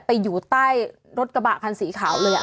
ไปอยู่ใต้รถกระบะพันธ์สีขาวเลยอะ